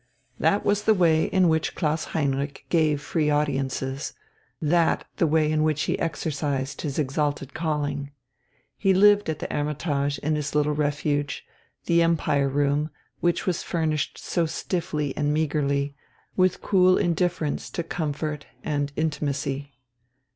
That was the way in which Klaus Heinrich gave free audiences, that the way in which he exercised his exalted calling. He lived at the "Hermitage" in his little refuge, the Empire room, which was furnished so stiffly and meagrely, with cool indifference to comfort and intimacy.